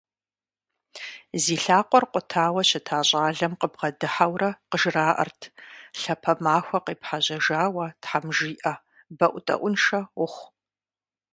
Зи лъакъуэр къутауэ щыта щӀалэм къыбгъэдыхьэурэ къыжраӏэрт: «Лъапэ махуэ къепхьэжьэжауэ тхьэм жиӀэ. БэӀутӀэӀуншэ ухъу».